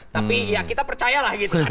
tapi ya kita percaya lah gitu kan